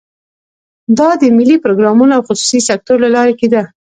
دا د ملي پروګرامونو او خصوصي سکتور له لارې کېده.